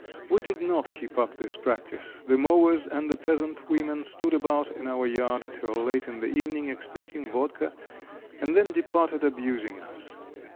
We did not keep up this practice; the mowers and the peasant women stood about in our yard till late in the evening expecting vodka, and then departed abusing us.